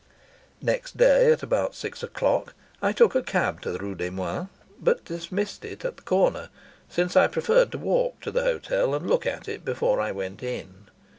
Next day about six o'clock I took a cab to the Rue des Moines, but dismissed it at the corner, since I preferred to walk to the hotel and look at it before I went in.